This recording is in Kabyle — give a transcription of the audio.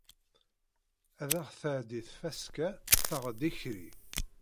Ar ad tɛeddi tfaska, taɣeḍ ikerri.